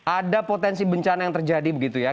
ada potensi bencana yang terjadi begitu ya